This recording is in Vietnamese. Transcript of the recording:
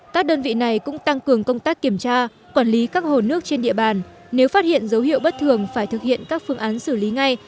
các đơn vị này cũng tăng cường công tác kiểm tra quản lý các hồ nước trên địa bàn nếu phát hiện dấu hiệu bất thường phải thực hiện các phương án xử lý ngay